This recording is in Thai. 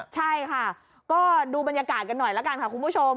ใช่ค่ะก็ดูบรรยากาศกันหน่อยละกันค่ะคุณผู้ชม